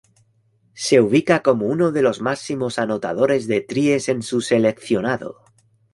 Se ubica como uno de los máximos anotadores de tries en su seleccionado.